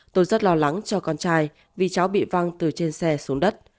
tôi rất lo lắng cho con trai vì cháu bị văng từ trên xe xuống đất